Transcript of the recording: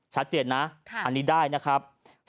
ชัดเจนนะอันนี้ได้นะครับ